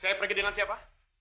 saya pergi dengan siapa